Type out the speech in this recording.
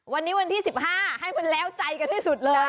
วันนี้วันที่๑๕ให้มันแล้วใจกันที่สุดเลย